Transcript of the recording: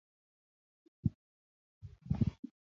Ikonyok boisionik